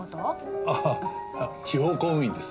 あ地方公務員です。